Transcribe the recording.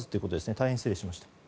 大変失礼しました。